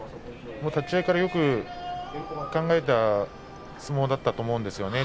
立ち合いからよく考えた相撲だったと思うんですね。